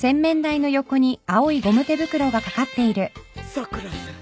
さくらさん